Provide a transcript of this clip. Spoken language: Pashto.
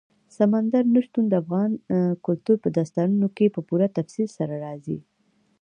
سمندر نه شتون د افغان کلتور په داستانونو کې په پوره تفصیل سره راځي.